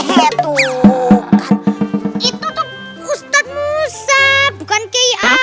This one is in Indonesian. itu tuh ustadz musa bukan kiai amin